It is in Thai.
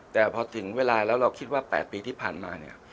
แต่พอถึงเวลาแล้วเราคิดว่า๘ปีที่ผ่านมาเนี่ย